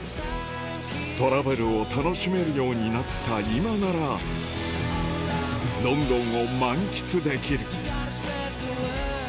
トラブルを楽しめるようになった今ならロンドンを満喫できる